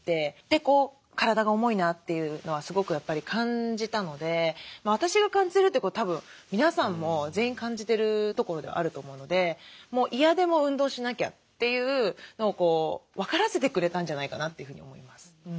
で体が重いなっていうのはすごくやっぱり感じたので私が感じてるってことはたぶん皆さんも全員感じてるところではあると思うので嫌でも運動しなきゃっていうのを分からせてくれたんじゃないかなというふうに思います。